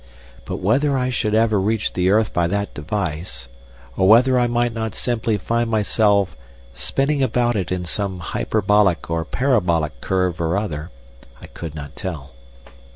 But whether I should ever reach the earth by that device, or whether I might not simply find myself spinning about it in some hyperbolic or parabolic curve or other, I could not tell.